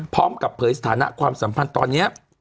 พร้อมกับเผยสถานะความสัมพันธ์ตอนนี้